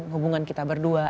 hubungan kita berdua